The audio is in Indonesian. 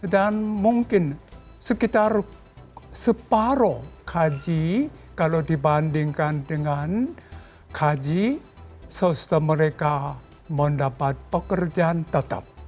dan mungkin sekitar separuh gaji kalau dibandingkan dengan gaji sosial mereka mendapat pekerjaan tetap